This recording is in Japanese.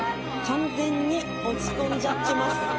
完全に落ち込んじゃってます